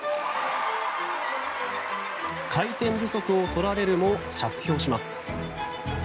回転不足を取られるも着氷します。